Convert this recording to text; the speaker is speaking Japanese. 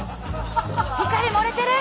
光漏れてる！